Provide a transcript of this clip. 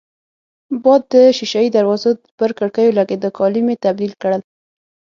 باد د شېشه يي دروازو پر کړکېو لګېده، کالي مې تبدیل کړل.